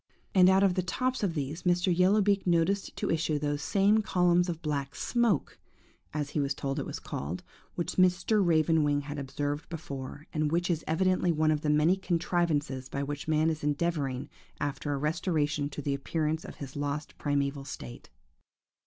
And out of the tops of these Mr. Yellow beak noticed to issue those same columns of black smoke, as he was told it was called, which Mr. Raven wing had observed before, and which is evidently one of the many contrivances by which man is endeavouring after a restoration to the appearance of his lost primeval state.